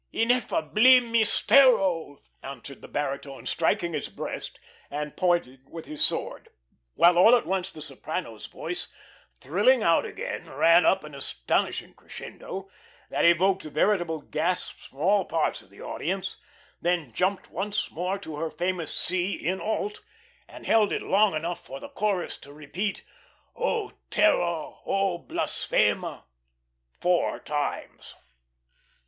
"Ineffabil mistero," answered the baritone, striking his breast and pointing with his sword; while all at once the soprano's voice, thrilling out again, ran up an astonishing crescendo that evoked veritable gasps from all parts of the audience, then jumped once more to her famous C in alt, and held it long enough for the chorus to repeat "O terror, O blasfema" four times.